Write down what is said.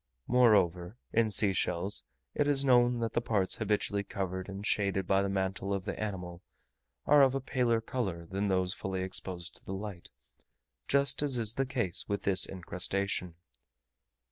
Moreover, in sea shells, it is known that the parts habitually covered and shaded by the mantle of the animal, are of a paler colour than those fully exposed to the light, just as is the case with this incrustation.